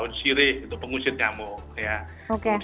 jadi kita harus mengingatkan masyarakat